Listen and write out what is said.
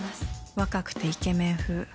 若くてイケメン風。